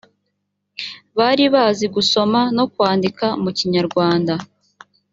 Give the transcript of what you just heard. bari bazi gusoma no kwandika mu kinyarwanda